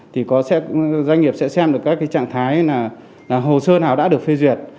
thì doanh nghiệp sẽ xem được các trạng thái là hồ sơ nào đã được phê duyệt